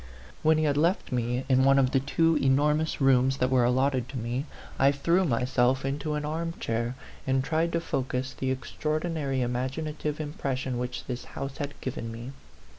When he had left me in one of the two enormous rooms that were allotted to me, I A PHANTOM LOVER. 19 threw myself into an arm chair and tried to focus the extraordinary imaginative impres sion which this house had given me.